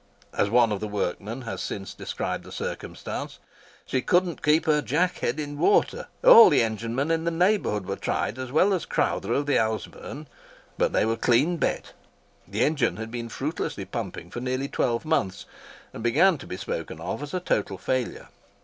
As one of the workmen has since described the circumstance—"She couldn't keep her jack head in water: all the enginemen in the neighbourhood were tried, as well as Crowther of the Ouseburn, but they were clean bet." The engine had been fruitlessly pumping for nearly twelve months, and began to be spoken of as a total failure.